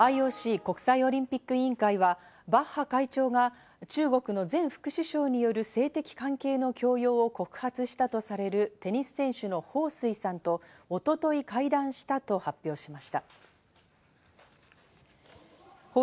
ＩＯＣ＝国際オリンピック委員会はバッハ会長が中国の前副首相による性的関係の強要を告発したとされる、テニス選手のホウ・スイさんと一昨日、会談したと発表しました。